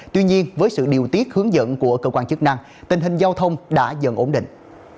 tuy nhiên với sự điều tiết hướng dẫn của cơ quan chức năng tình hình giao thông đã dần ổn định